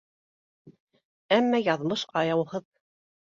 Әммә яҙмыш аяуһыҙ